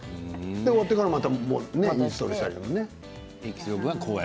終わってからまたインストールしたらいいんだもんね。